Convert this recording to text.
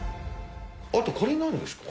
あと、これなんですか？